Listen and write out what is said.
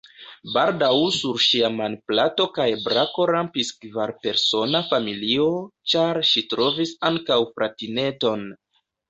Baldaŭ sur ŝia manplato kaj brako rampis kvarpersona familio, ĉar ŝi trovis ankaŭ fratineton.